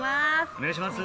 お願いします